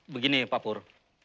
begini pak pur